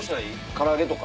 唐揚げとか？